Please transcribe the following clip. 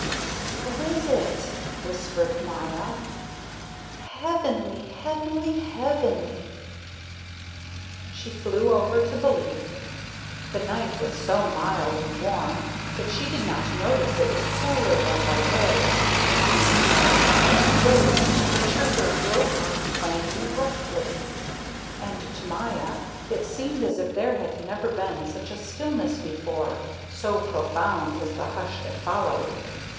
"Exquisite," whispered Maya, "heavenly, heavenly, heavenly." She flew over to the leaf. The night was so mild and warm that she did not notice it was cooler than by day. When she touched the leaf, the chirper broke off playing abruptly, and to Maya it seemed as if there had never been such a stillness before, so profound was the hush that followed.